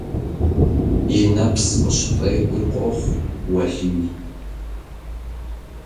И нэпс къыщыфӀекӀуи къохъу Уэлий.